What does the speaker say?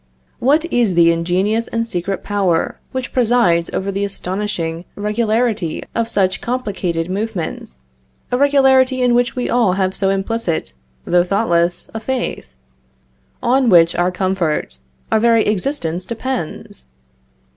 What is the ingenious and secret power which presides over the astonishing regularity of such complicated movements, a regularity in which we all have so implicit, though thoughtless, a faith; on which our comfort, our very existence depends?